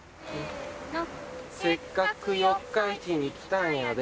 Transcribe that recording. せの「せっかく四日市にきたんやで」